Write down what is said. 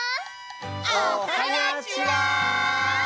おはにゃちは！